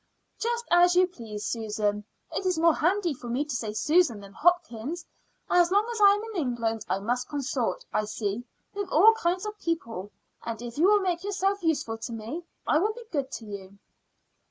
"Just as you please, Susan. It is more handy for me to say Susan than Hopkins. As long as I am in England I must consort, I see, with all kinds of people; and if you will make yourself useful to me, I will be good to you."